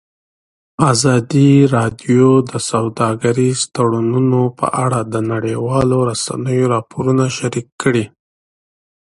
ازادي راډیو د سوداګریز تړونونه په اړه د نړیوالو رسنیو راپورونه شریک کړي.